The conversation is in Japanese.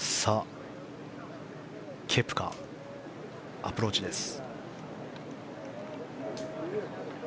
ケプカ、アプローチです。